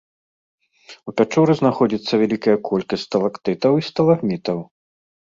У пячоры знаходзіцца вялікая колькасць сталактытаў і сталагмітаў.